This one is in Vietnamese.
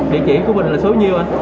địa chỉ của mình là số nhiêu anh